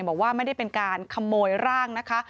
บอกว่าไม่ได้เป็นการขโมยร่างนะคะ